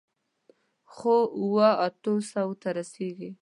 خو، اوو، اتو سووو ته رسېږي.